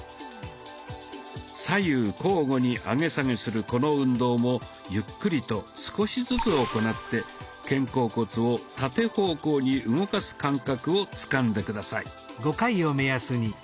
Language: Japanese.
左右交互に上げ下げするこの運動もゆっくりと少しずつ行って肩甲骨を縦方向に動かす感覚をつかんで下さい。